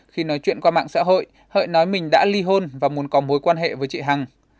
khi nói chuyện qua mạng xã hội hợi nói mình đã ly hôn và muốn có mối quan hệ với chị hằng